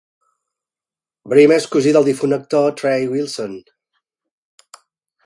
Brimer és cosí del difunt actor Trey Wilson.